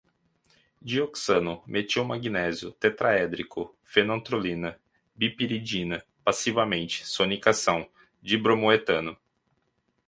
dioxano, metilmagnésio, tetraédrico, fenantrolina, bipiridina, passivante, sonicação, dibromoetano